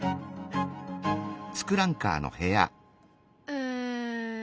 うん。